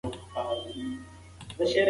لمسیانو به هره ورځ په چمن کې منډې وهلې.